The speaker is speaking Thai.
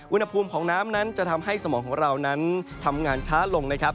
อุณหภูมิของน้ำนั้นจะทำให้สมองของเรานั้นทำงานช้าลงนะครับ